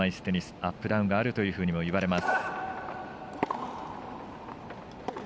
アップダウンがあるというふうにも言われます。